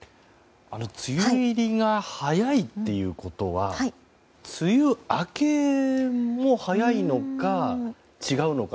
梅雨入りが早いっていうことは梅雨明けも早いのか違うのか